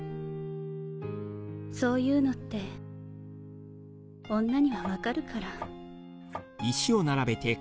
そういうのって女には判るから。